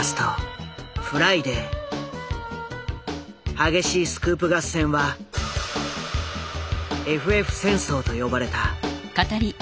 激しいスクープ合戦はＦＦ戦争と呼ばれた。